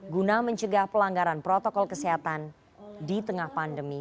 guna mencegah pelanggaran protokol kesehatan di tengah pandemi